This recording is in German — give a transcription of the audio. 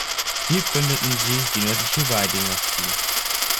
Hier gründeten sie die Nördliche Wei-Dynastie.